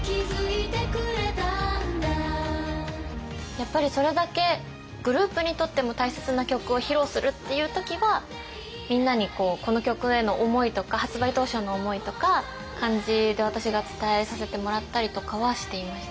やっぱりそれだけグループにとっても大切な曲を披露するっていう時はみんなにこの曲への思いとか発売当初の思いとか感じで私が伝えさせてもらったりとかはしていました。